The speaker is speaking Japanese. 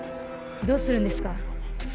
どうするんですか？